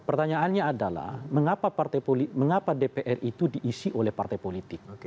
pertanyaannya adalah mengapa dpr itu diisi oleh partai politik